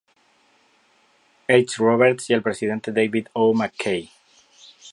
H. Roberts y el presidente David O. McKay.